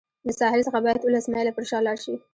له ساحل څخه باید اوولس مایله پر شا لاړ شي.